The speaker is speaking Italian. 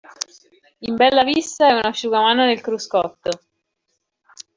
In bella vista e un asciugamano nel cruscotto.